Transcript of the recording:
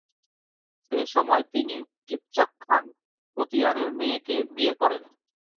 সেই সময় তিনি কিপচাক খান কোতিয়ানের মেয়েকে বিয়ে করেন।